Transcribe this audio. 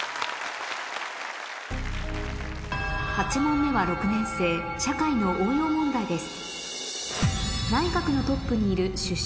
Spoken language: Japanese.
８問目は６年生社会の応用問題です